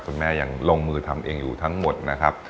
คุณแม่ยังลงมือทำเองอยู่ทั้งหมดนะครับ